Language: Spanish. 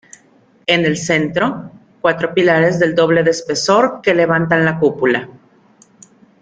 En el centro, cuatro pilares del doble de espesor que levantan la cúpula.